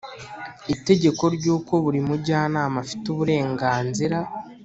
itegeko ryuko buri mujyanama afite uburenganzira